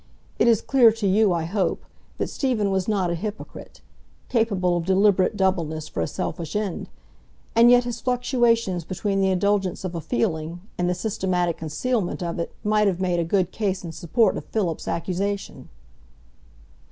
It is clear to you, I hope, that Stephen was not a hypocrite,—capable of deliberate doubleness for a selfish end; and yet his fluctuations between the indulgence of a feeling and the systematic concealment of it might have made a good case in support of Philip's accusation.